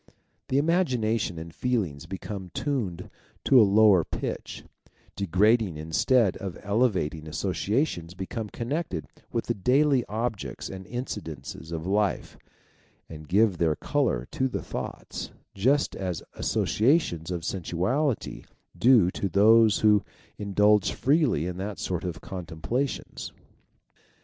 The imagination and feelings become tuned to a lower pitch ; degrading instead of elevating asso ciations become connected with the daily objects and incidents of life, and give their colour to the thoughts, just as associations of sensuality do in those who in dulge freely in that sort of contemplations.